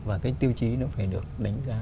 và cái tiêu chí nó phải được đánh giá